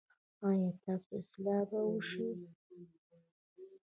ایا ستاسو اصلاح به وشي؟